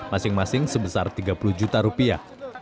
masing masing sebesar tiga puluh juta rupiah